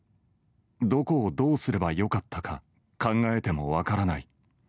どこをどうすればよかったか、考えても分からない。